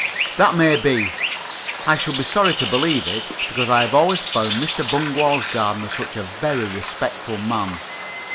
That may be. I should be sorry to believe it, because I have always found Mr. Bungwall's gardener such a very respectful man.